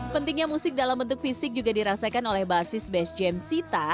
pentingnya musik dalam bentuk fisik juga dirasakan oleh basis best james sita